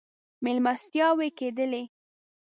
مېلمستیاوې کېدلې.